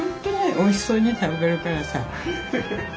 おいしそうに食べるからさ。